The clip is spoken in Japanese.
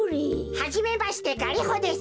はじめましてガリホです。